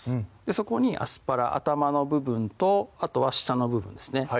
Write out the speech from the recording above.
そこにアスパラ頭の部分とあとは下の部分ですね